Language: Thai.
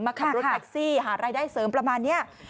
ขับรถแท็กซี่หารายได้เสริมประมาณนี้